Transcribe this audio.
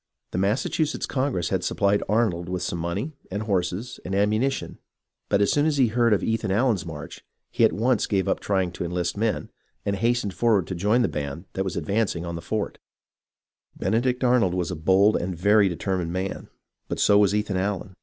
The Massachusetts Congress had suppHed Arnold with some money, and horses, and ammunition, but as soon as he heard of Ethan Allen's march, he at once gave up trying to enlist men, and hastened forward to join the band that was advancing on the fort. 54 HISTORY OF THE AMERICAN REVOLUTION Benedict Arnold was a bold and very determined man, but so also was Ethan Allen.